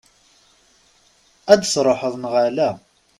Ad d-truḥeḍ, neɣ ala?